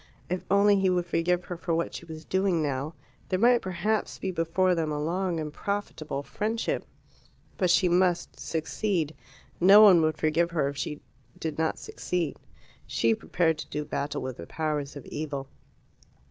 If only he would forgive her for what she was doing now, there might perhaps be before them a long and profitable friendship. But she must succeed. No one would forgive her if she did not succeed. She prepared to do battle with the powers of evil.